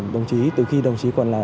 đồng chí từ khi đồng chí còn là